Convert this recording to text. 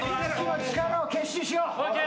ＯＫ！